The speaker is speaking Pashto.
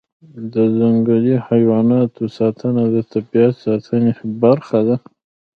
د ځنګلي حیواناتو ساتنه د طبیعت ساتنې برخه ده.